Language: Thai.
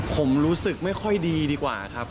ผมรู้สึกไม่ค่อยดีดีกว่าครับ